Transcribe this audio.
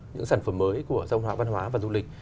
những sản phẩm mới của dòng họ văn hóa và du lịch